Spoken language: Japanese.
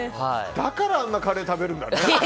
だからあんなカレー食べるんだね。